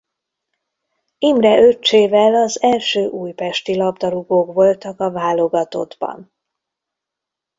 Imre öccsével az első újpesti labdarúgók voltak a válogatottban.